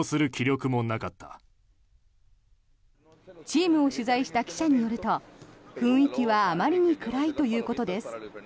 チームを取材した記者によると雰囲気はあまりに暗いということです。